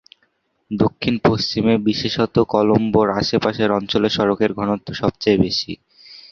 দক্ষিণ-পশ্চিমে, বিশেষত কলম্বোর আশেপাশের অঞ্চলে সড়কের ঘনত্ব সবচেয়ে বেশি।